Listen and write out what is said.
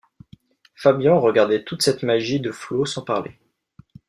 Fabian regardait toute cette magie de flots sans parler.